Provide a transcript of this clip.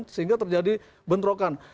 sehingga terjadi bentrokan